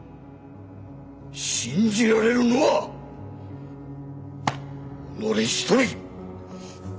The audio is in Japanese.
信じられるのは己一人！